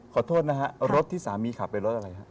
ขอโทษนะครับรถที่สามีขับเป็นรถอะไรครับ